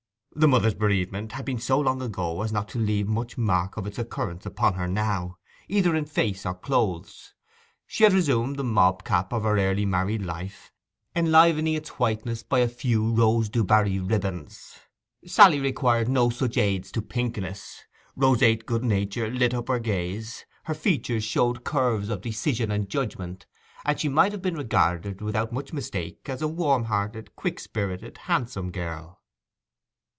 The mother's bereavement had been so long ago as not to leave much mark of its occurrence upon her now, either in face or clothes. She had resumed the mob cap of her early married life, enlivening its whiteness by a few rose du Barry ribbons. Sally required no such aids to pinkness. Roseate good nature lit up her gaze; her features showed curves of decision and judgment; and she might have been regarded without much mistake as a warm hearted, quick spirited, handsome girl.